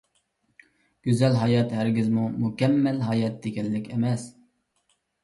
گۈزەل ھايات ھەرگىزمۇ مۇكەممەل ھايات دېگەنلىك ئەمەس.